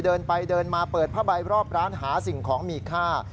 เดินไปเดินมาเปิดผ้าใบรอบร้านหาสิ่งของมีค่า